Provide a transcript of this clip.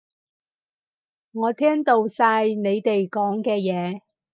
我聽到晒你哋講嘅嘢